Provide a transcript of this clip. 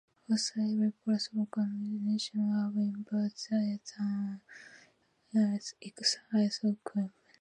Also, every possible combination of inputs is on an isoquant.